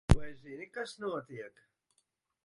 Vai zini, kas notiek?